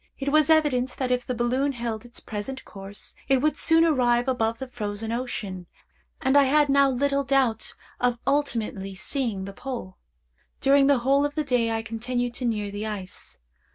It was evident that if the balloon held its present course, it would soon arrive above the Frozen Ocean, and I had now little doubt of ultimately seeing the Pole. During the whole of the day I continued to near the ice.